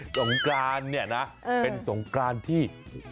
สงกรานเนี่ยนะเป็นสงกรานที่